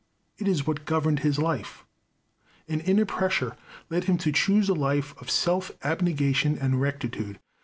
It is what governed his life. An inner pressure led him to choose a life of self abnegation and rectitude.